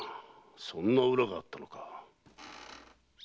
そんな裏があったのか。